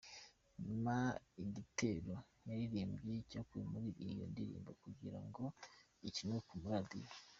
Nyuma igitero yaririmbye cyakuwe muri iyo ndirimbo kugira ngo ikinnwe ku maradiyo.